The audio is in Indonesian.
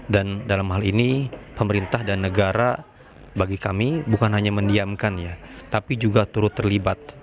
dan dalam hal ini pemerintah dan negara bagi kami bukan hanya mendiamkan ya tapi juga turut terlibat